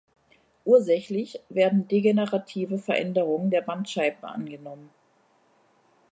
Ursächlich werden degenerative Veränderungen der Bandscheiben angenommen.